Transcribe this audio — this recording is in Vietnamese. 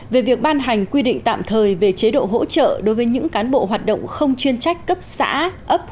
về việc ban hành quy định tạm thời về chế độ hỗ trợ đối với những cán bộ hoạt động không chuyên trách cấp xã ấp khu phố từ ngân sách địa phương như sau